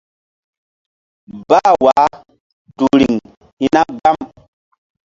Bah wah tu riŋ hi̧na gbam.